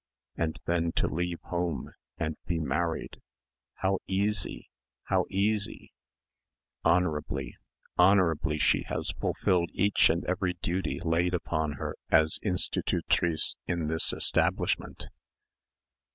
(And then to leave home and be married how easy, how easy!) "Honourably honourably she has fulfilled each and every duty laid upon her as institutrice in this establishment.